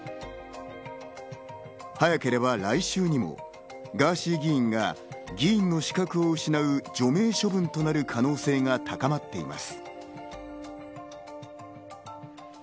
早ければ来週にも、ガーシー議員が議員の資格を失う除名処分となる可能性が高まっています。